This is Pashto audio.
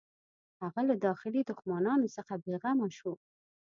هغه له داخلي دښمنانو څخه بېغمه شو.